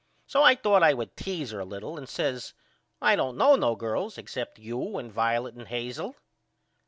So I thought I would tease her a little and I says I don't know no girls except you and Violet and Hazel.